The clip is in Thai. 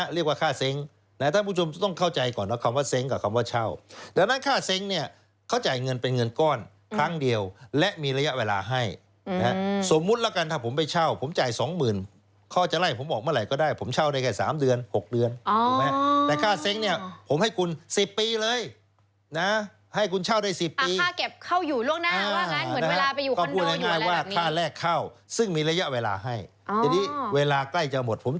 เรียกว่าค่าเซ็งท่านผู้ชมต้องเข้าใจก่อนนะคำว่าเซ็งกับคำว่าเช่าดังนั้นค่าเซ็งเนี่ยเขาจ่ายเงินเป็นเงินก้อนครั้งเดียวและมีระยะเวลาให้สมมุติแล้วกันถ้าผมไปเช่าผมจ่ายสองหมื่นเขาจะไล่ผมออกเมื่อไหร่ก็ได้ผมเช่าได้แค่สามเดือนหกเดือนแต่ค่าเซ็งเนี่ยผมให้คุณสิบปีเลยนะให้คุณเช่าได้สิบป